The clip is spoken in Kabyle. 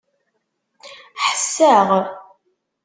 Ḥesseɣ.